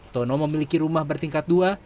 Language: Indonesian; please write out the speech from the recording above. tono memiliki rumah bertingkat dua